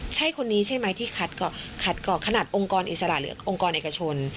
ใช่คนนี้ใช่ไหมที่ขัดเกาะขนาดองค์กรอิสระหรือองค์กรเอกชน